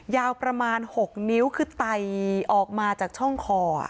ยาวประมาณ๖นิ้วคือไตออกมาจากช่องคอ